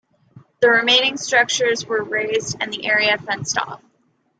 The remaining structures were razed, and the area fenced off.